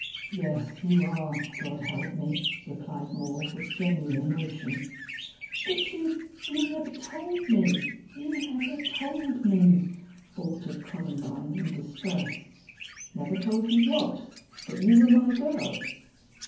"Yes, you are God help me!" replied Moore, with genuine emotion. "But you you never told me you never told me," faltered Columbine, in distress. "Never told you what? That you were my girl?"